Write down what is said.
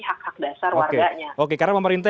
hak hak dasar warganya oke karena pemerintah